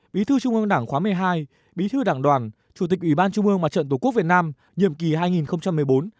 bí thư trung bướng đảng khóa một mươi hai bí thư đảng đoàn chủ tịch ủy ban trung bướng mặt trận tổ quốc việt nam